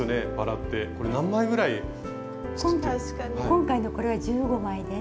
今回のこれは１５枚です。